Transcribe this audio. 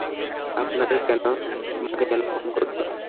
আমাকে কেন ফোন করছো?